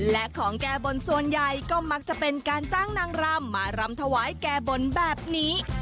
และของแก้บนส่วนใหญ่ก็มักจะเป็นการจ้างนางรำมารำถวายแก้บนแบบนี้